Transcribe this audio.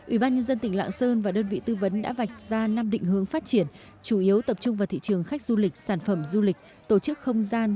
ủy ban nhân dân tỉnh lạng sơn và đơn vị tư vấn đã vạch ra năm định hướng phát triển chủ yếu tập trung vào thị trường khách du lịch sản phẩm du lịch tổ chức không gian